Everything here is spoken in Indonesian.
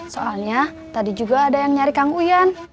soalnya tadi juga ada yang nyari kang uyan